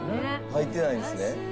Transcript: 入ってないんですね。